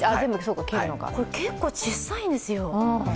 結構小さいんですよ。